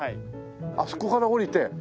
あそこから下りて？